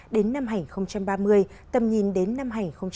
đến năm hai nghìn ba mươi tầm nhìn đến năm hai nghìn bốn mươi năm